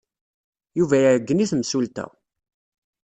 Yuba iɛeyyen i temsulta.